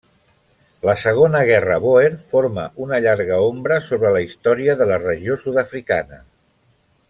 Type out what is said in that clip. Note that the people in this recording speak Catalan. La Segona Guerra Bòer forma una llarga ombra sobre la història de la regió sud-africana.